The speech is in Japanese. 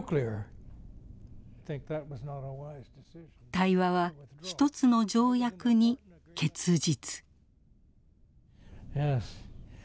対話は１つの条約に結実。